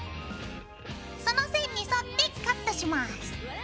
その線に沿ってカットします。